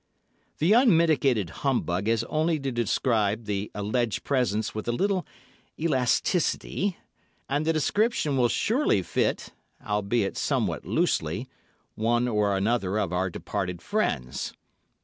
The unmitigated humbug has only to describe the alleged presence with a little elasticity, and the description will surely fit—albeit somewhat loosely—one or another of our departed friends.